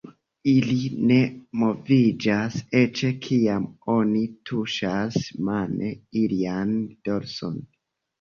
Ili ne moviĝas eĉ kiam oni tuŝas mane ilian dorson.